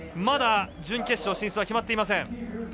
まだ、準決勝進出は決まっていません。